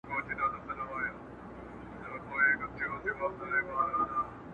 د دوستۍ درته لرمه پیغامونه٫